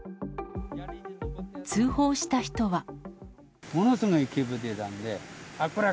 通報した人は。